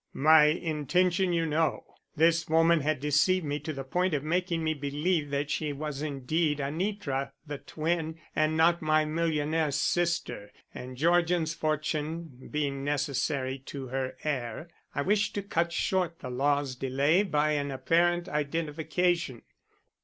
My intention you know. This woman had deceived me to the point of making me believe that she was indeed Anitra, the twin, and not my millionaire sister, and Georgian's fortune being necessary to her heir, I wished to cut short the law's delay by an apparent identification.